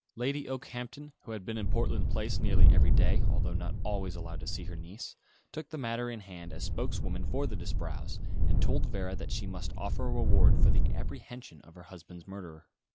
Lady Okehampton, who had been in Portland Place nearly every day although not always allowed to see her niece took the matter in hand, as spokeswoman for the Disbrowes, and told Vera that she must offer a reward for the apprehension of her husband's murderer.